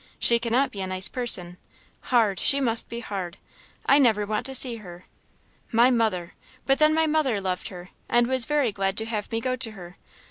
She cannot be a nice person; hard she must be hard; I never want to see her. My mother! But then my mother loved her, and was very glad to have me go to her.